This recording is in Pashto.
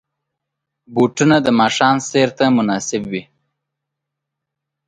بوټونه د ماښام سیر ته مناسب وي.